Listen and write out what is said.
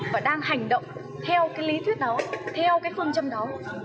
và đang hành động theo cái lý thuyết đó theo cái phương châm đó